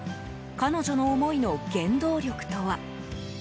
彼女の思いの原動力とは。